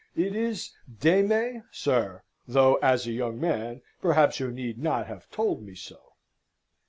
"It is de me, sir though, as a young man, perhaps you need not have told me so."